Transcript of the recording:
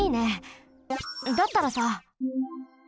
だったらさ。